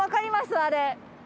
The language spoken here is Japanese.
あれ。